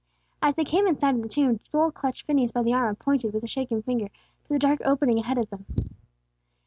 As they came in sight of the tomb, Joel clutched Phineas by the arm, and pointed, with a shaking finger, to the dark opening ahead of of them.